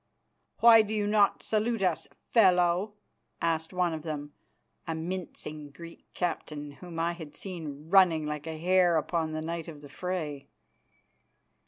"Why do you not salute us, fellow?" asked one of them, a mincing Greek captain whom I had seen running like a hare upon the night of the fray.